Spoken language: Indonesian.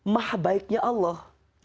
maha baiknya allah